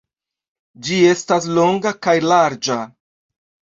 Ĝi estas longa kaj larĝa.